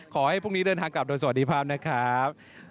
ขอให้พรุ่งนี้เดินทางกลับโดยสวัสดีภาพนะครับ